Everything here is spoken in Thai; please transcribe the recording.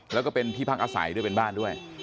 แล้วก็เป็นที่พักอาศัยด้วยเป็นบ้านด้วย